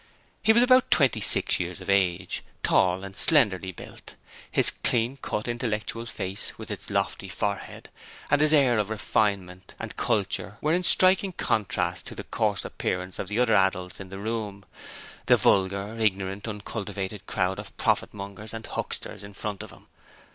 He was about twenty six years of age, tall and slenderly built. His clean cut, intellectual face, with its lofty forehead, and his air of refinement and culture were in striking contrast to the coarse appearance of the other adults in the room: the vulgar, ignorant, uncultivated crowd of profit mongers and hucksters in front of him.